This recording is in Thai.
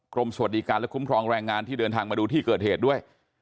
สวัสดีการและคุ้มครองแรงงานที่เดินทางมาดูที่เกิดเหตุด้วย